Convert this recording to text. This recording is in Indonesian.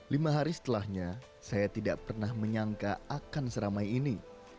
lima hari setelahnya saya tidak pernah menyangka akan seramai ini